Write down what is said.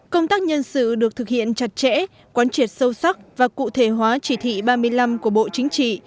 công tác nhân sự được thực hiện chặt chẽ quán triệt sâu sắc và cụ thể hóa chỉ thị ba mươi năm của bộ chính trị